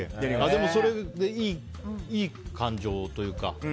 でもそれでいい感情というか。